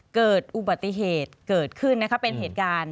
เกิดอุบัติเหตุเกิดขึ้นนะคะเป็นเหตุการณ์